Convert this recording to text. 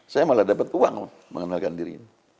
saya malah dapat uang mengenalkan diri